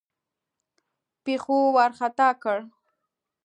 پیښو وارخطا کړ.